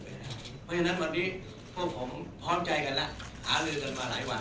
เพราะฉะนั้นพวกเรายังพร้อมใจกันและหาเลือกละหลายวัน